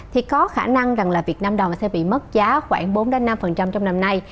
thì có khả năng rằng là việt nam đồng sẽ bị mất giá khoảng bốn năm trong năm nay